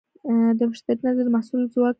د مشتری نظر د محصول ځواک معلوموي.